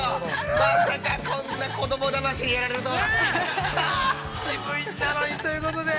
まさかこんな子供だましにやられるとは。